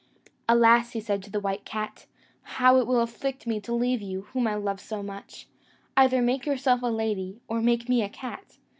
"Alas!" said he to the white cat, "how will it afflict me to leave you, whom I love so much! Either make yourself a lady, or make me a cat."